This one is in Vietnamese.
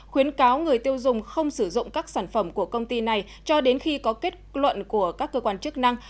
khuyến cáo người tiêu dùng không sử dụng các sản phẩm của công ty này cho đến khi có kết luận của các cơ quan chức năng